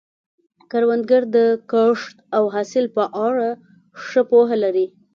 کروندګر د کښت او حاصل په اړه ښه پوهه لري